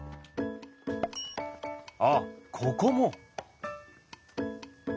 あっここも！